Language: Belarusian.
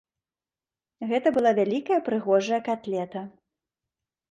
Гэта была вялікая прыгожая катлета.